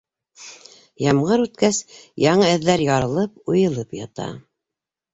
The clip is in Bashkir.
Ямғыр үткәс, яңы эҙҙәр ярылып- уйылып ята.